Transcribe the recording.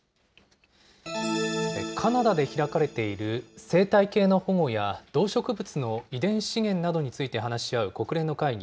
カナダで開かれている生態系の保護や動植物の遺伝資源などについて話し合う国連の会議